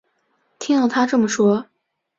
听到她这么说